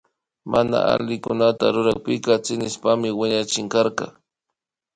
Mana allikunata rurakpika tsinishpami wiñachinkarka